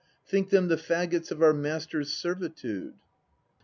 Think them the faggots of our Master's servitude.